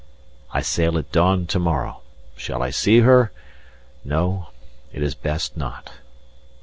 I sail at dawn to morrow. Shall I see her? No, it is best not.